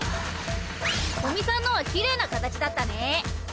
古見さんのはきれいな形だったね。